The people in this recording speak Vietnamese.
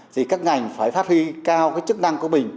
thì các ngành phải phát huy cao cái chức năng của mình